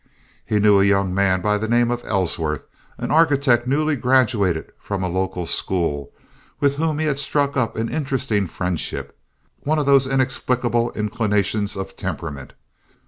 He knew a young man by the name of Ellsworth, an architect newly graduated from a local school, with whom he had struck up an interesting friendship—one of those inexplicable inclinations of temperament.